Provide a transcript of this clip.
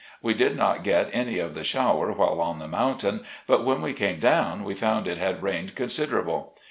We did not get any of the shower while on the mountain, but when we came down we found it had rained considerable.